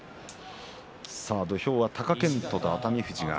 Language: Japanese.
土俵上は貴健斗と熱海富士です。